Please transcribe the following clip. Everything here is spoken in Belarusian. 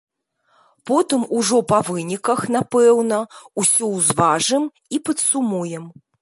Потым ужо, па выніках, напэўна, усё ўзважым і падсумуем.